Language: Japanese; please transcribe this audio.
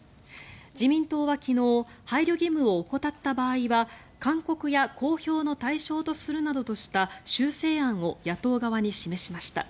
自民党は昨日配慮義務を怠った場合は勧告や公表の対象とするなどとした修正案を野党側に示しました。